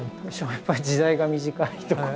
やっぱり時代が短いとこう。